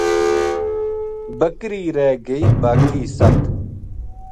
بکری رہ گئی باقی ست